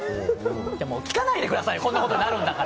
聞かないでください、こんなことになるんだから。